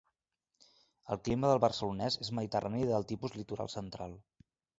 El clima del Barcelonès és mediterrani de tipus litoral central.